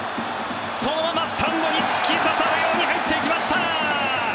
そのままスタンドに突き刺さるように入っていきました！